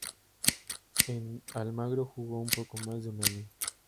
En Almagro jugó un poco más de un año.